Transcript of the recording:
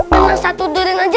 karena satu durian saja